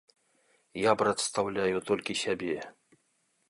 Я прадстаўляю толькі сябе.